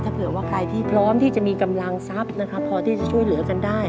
ถ้าเผื่อว่าใครที่พร้อมที่จะมีกำลังทรัพย์นะครับพอที่จะช่วยเหลือกันได้